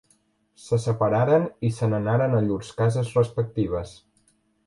Se separaren i se n'anaren a llurs cases respectives.